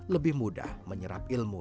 lebih mudah menyerap ilmu